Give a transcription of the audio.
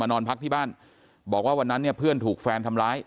นอนพักที่บ้านบอกว่าวันนั้นเนี่ยเพื่อนถูกแฟนทำร้าย